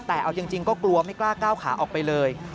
แต่เอาจริงก็กลัวไม่กล้าก้าวขาออกไปเลย